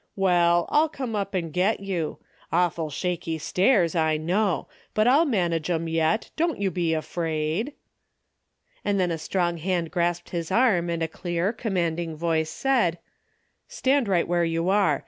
Well, I'll come up and get you. Awful shaky stairs, I know, but I'll manage 'em yet, don't you be afraid." And then a strong hand grasped his arm and a clear, commanding voice said, " Stand right where you are